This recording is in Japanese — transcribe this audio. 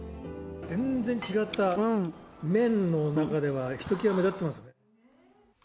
全然違った麺の中ではひときわ目立ってます。